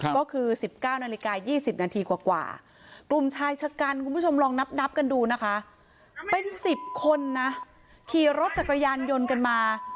ก็คือ๑๙นาฬิกา๒๐นาทีกว่ากลุ่มชายชะกันคุณผู้ชมลองนับกันดูนะคะเป็น๑๐คนนะขี่รถจักรยานยนต์กันมา